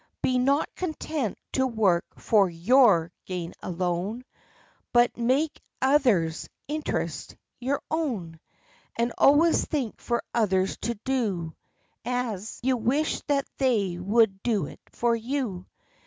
Be not content to work for your gain alone, But make others' interests your own; And always think for others to do As you wish that they would do for you."